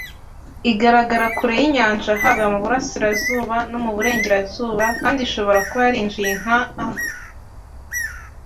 igaragara kure yinyanja haba muburasirazuba no muburengerazuba kandi ishobora kuba yarinjiye nka a